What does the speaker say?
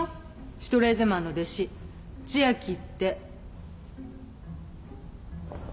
シュトレーゼマンの弟子千秋って。